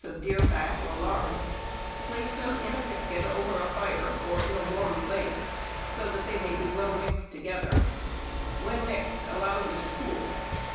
of deer fat or lard, place them in a pipkin over a fire or in a warm place, so that they may be well mixed together; when mixed allow them to cool.